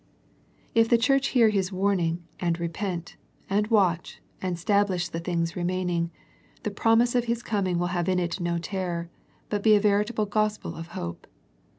If the church hear His warning, and repent, and watch, and stablish the things remaining, the promise of His com ing will have in it no terror, but be a veritable gospel of hope.